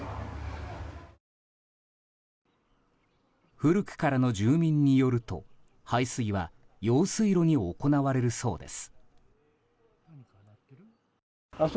古くからの住民によると排水は用水路に行われるそうです。